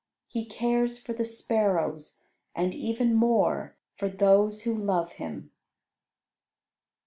He cares for the sparrows, and, even more, for those who love Him.